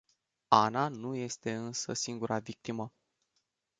Anna nu este însă singura victimă.